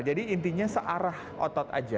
jadi intinya searah otot aja